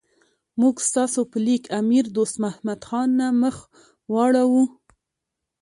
موږ ستاسو په لیک امیر دوست محمد خان نه مخ واړاو.